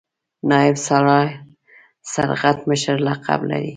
نایب سالار سرغټ مشر لقب لري.